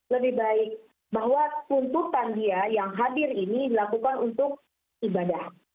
lebih baik bahwa tuntutan dia yang hadir ini dilakukan untuk ibadah